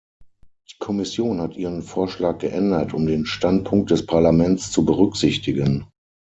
Die Kommission hat ihren Vorschlag geändert, um den Standpunkt des Parlaments zu berücksichtigen.